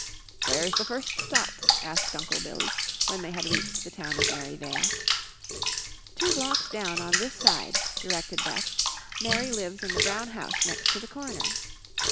"Where's the first stop?" asked Uncle Billy, when they had reached the town of Merryvale. "Two blocks down on this side," directed Beth. "Mary lives in the brown house next to the corner."